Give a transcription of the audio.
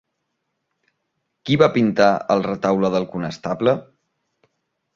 Qui va pintar el Retaule del Conestable?